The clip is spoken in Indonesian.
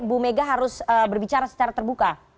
bu mega harus berbicara secara terbuka